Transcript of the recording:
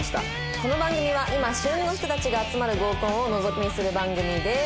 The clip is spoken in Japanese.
この番組は今旬の人たちが集まる合コンをのぞき見する番組です。